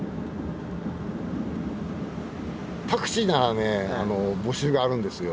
タクシーならね募集があるんですよ。